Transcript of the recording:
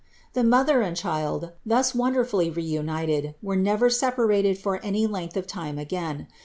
The mother and child, thus wonderfully reunited, were never sepa rated for any length of time again.